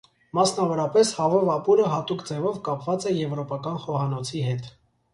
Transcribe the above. Մասնավորապես, հավով ապուրը հատուկ ձևով կապված է եվրոպական խոհանոցի հետ։